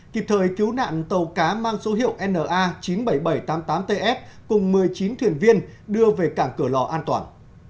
kịp thời cứu nạn tàu cá mang số hiệu na chín mươi bảy nghìn bảy trăm tám mươi tám ts cùng một mươi chín thuyền viên đưa về cảng cửa lò an toàn